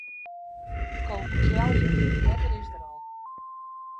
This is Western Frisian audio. De ko wol kealje, it wetter is der al.